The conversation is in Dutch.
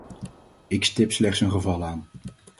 Ik stip slechts een geval aan.